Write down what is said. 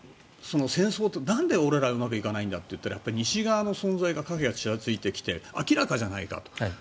戦争ってなんで俺らうまくいかないんだっていったらやっぱり西側の存在が影がちらついてきて明らかじゃないかと。